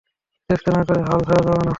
চেষ্টা না করে, হাল ছাড়া যাবে না।